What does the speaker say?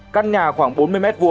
căn nhà khoảng bốn mươi m hai